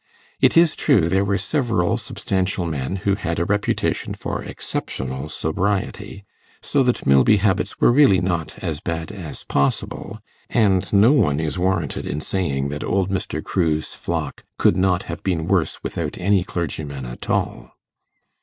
It is true there were several substantial men who had a reputation for exceptional sobriety, so that Milby habits were really not as bad as possible; and no one is warranted in saying that old Mr. Crewe's flock could not have been worse without any clergyman at all.